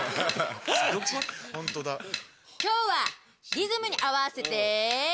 今日はリズムに合わせて。